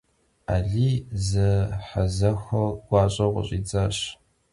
Aliy zehezexuer guaş'eu khış'idzaş.